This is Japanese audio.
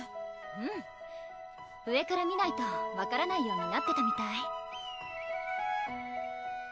うん上から見ないと分からないようになってたみたい